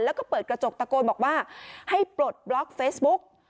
แล้วก็เปิดกระจกตะโกนบอกว่าให้ปลดบล็อกเฟซบุ๊ก